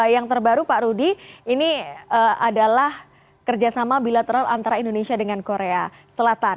yang terbaru pak rudi ini adalah kerjasama bilateral antara indonesia dengan korea selatan